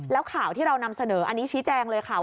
แล้วข่าวที่เรานำเสนออันนี้ชี้แจงเลยค่ะ